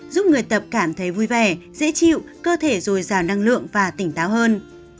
giúp người tập cảm thấy vui vẻ dễ chịu cơ thể dồi dào năng lượng và tỉnh táo hơn